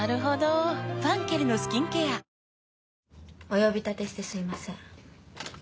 お呼び立てしてすいません。